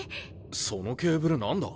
そのケーブル何だ？